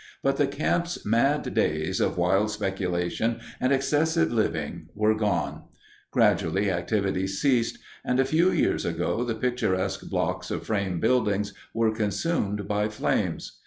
But the camp's mad days of wild speculation and excessive living were done. Gradually activities ceased, and a few years ago the picturesque blocks of frame buildings were consumed by flames.